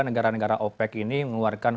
negara negara opec ini mengeluarkan